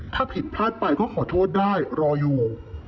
ถ้าผิดพลาดไปก็ขอโทษได้รออยู่